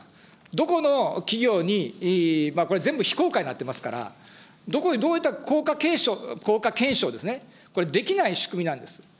どこの企業に、これ全部、非公開になってますから、どこにどうやって効果検証ですね、これできない仕組みなんです。